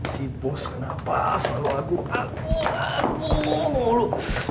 si bos kenapa selalu aku aku aku